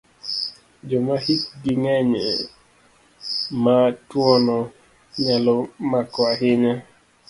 Joma hikgi ng'eny e ma tuwono nyalo mako ahinya.